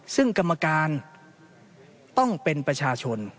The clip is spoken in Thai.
ซึ่งกรรมการต้องเป็นประชาชน